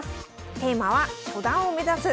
テーマは「初段を目指す！